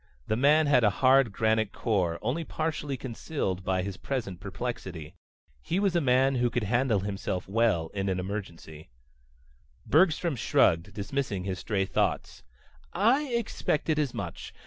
The man had a hard granite core, only partially concealed by his present perplexity. He was a man who could handle himself well in an emergency. Bergstrom shrugged, dismissing his strayed thoughts. "I expected as much.